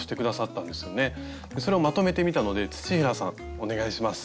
それをまとめてみたので土平さんお願いします。